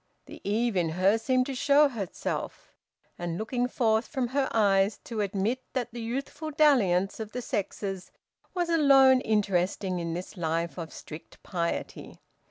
The Eve in her seemed to show herself, and, looking forth from her eyes, to admit that the youthful dalliance of the sexes was alone interesting in this life of strict piety.